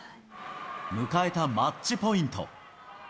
迎えたマッチポイント。